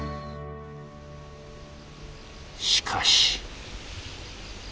しかし。